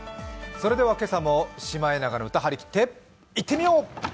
それでは今朝も「シマエナガの歌」張り切っていってみよう！